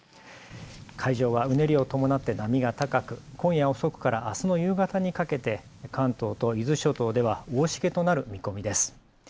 海上はうねりを伴って波が高く、今夜遅くからあすの夕方にかけて関東と伊豆諸島では大しけとなる見込みです。